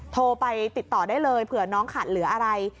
โทรไปติดต่อได้เลยเผื่อน้องขาดเหลืออะไร